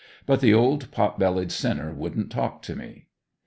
But the old pot bellied sinner wouldn't talk to me.